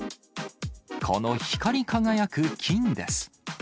この光り輝く金です。